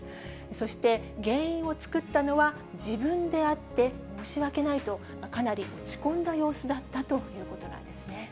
そして原因を作ったのは自分であって、申し訳ないと、かなり落ち込んだ様子だったということなんですね。